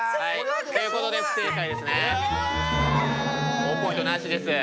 ほぉポイントなしです。